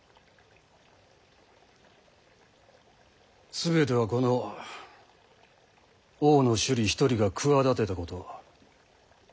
全てはこの大野修理一人が企てたこと。